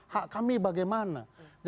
hak kami bagaimana